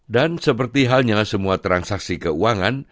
dan seperti halnya semua transaksi keuangan